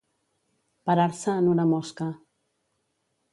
Parar-se en una mosca.